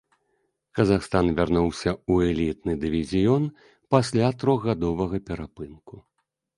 Казахстан вярнуўся ў элітны дывізіён пасля трохгадовага перапынку.